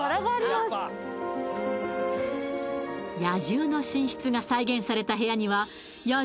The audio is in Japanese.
野獣の寝室が再現された部屋には